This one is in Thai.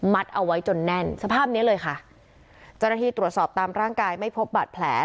เอาไว้จนแน่นสภาพเนี้ยเลยค่ะเจ้าหน้าที่ตรวจสอบตามร่างกายไม่พบบาดแผล